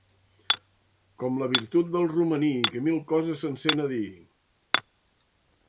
Com la virtut del romaní, que mil coses se'n sent dir.